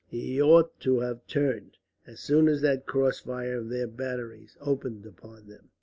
He ought to have turned, as soon as that crossfire of their batteries opened upon them."